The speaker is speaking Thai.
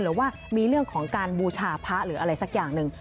หรือว่ามีเรื่องของการบูชาพระหรืออะไรสักอย่างหนึ่ง